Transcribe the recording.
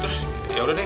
terus ya udah deh